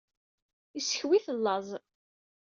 Iskew-it laẓ.